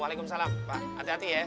waalaikumsalam pak hati hati ya